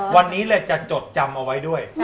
วันนี้เลยจะจดจำเอาไว้ด้วย